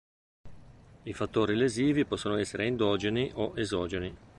I fattori lesivi possono essere endogeni o esogeni.